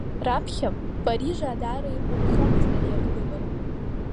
Раԥхьа, Парижаа даара иргәаԥхомызт ари аргылара.